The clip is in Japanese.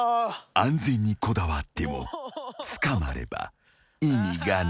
［安全にこだわっても捕まれば意味がない］